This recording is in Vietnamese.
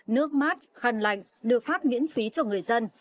nước mát khăn lạnh được phát miễn phí cho người dân